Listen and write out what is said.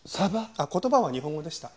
あっ言葉は日本語でした。